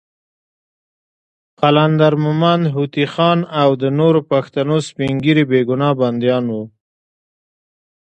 قلندر مومند، هوتي خان، او د نورو پښتنو سپین ږیري بېګناه بندیان وو.